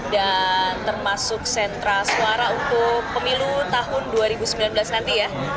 dan termasuk sentra suara untuk pemilu tahun dua ribu sembilan belas nanti ya